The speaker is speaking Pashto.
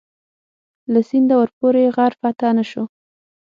له سینده ورپورې غر فتح نه شو.